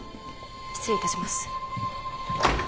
失礼いたします